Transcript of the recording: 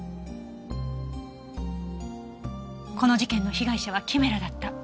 この事件の被害者はキメラだった。